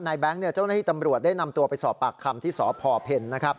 แบงค์เจ้าหน้าที่ตำรวจได้นำตัวไปสอบปากคำที่สพเพ็ญนะครับ